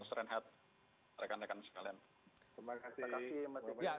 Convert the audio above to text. terima kasih pak srenhat rekan rekan sekalian